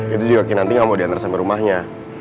itu juga kinanti enggak mau dianter sampe rumahnya